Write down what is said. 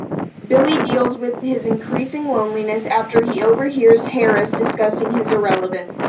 Billy deals with his increasing loneliness after he overhears Harris discussing his irrelevance.